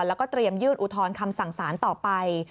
และก็เตรียมยื่นอุทรคำสั่งศาลต่อไป